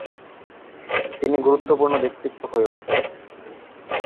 তিনি গুরুত্বপূর্ণ ব্যক্তিত্ব হয়ে উঠেন।